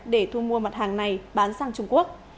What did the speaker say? để thu mua mặt hàng này bán sang trung quốc